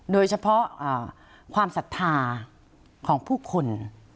โดยเฉพาะความศรัทธาของผู้คน